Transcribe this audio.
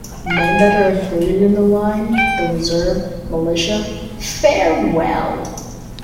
Men that are included in the line, the reserve, militia, farewell.